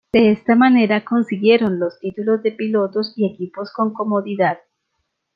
De esta manera, consiguieron los títulos de pilotos y equipos con comodidad.